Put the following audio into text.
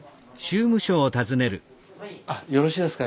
よろしいですか？